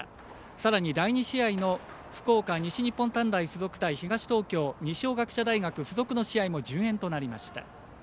さらに第２試合の福岡、西日本短大付属対東東京、二松学舎大付属の試合も順延となりました。